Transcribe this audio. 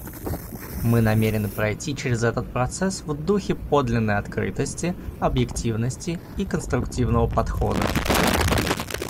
Мы намерены пройти через этот процесс в духе подлинной открытости, объективности и конструктивного подхода.